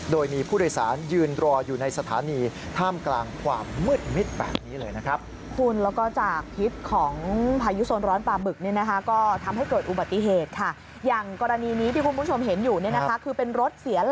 โดยมีผู้โดยสารยืนรออยู่ในสถานี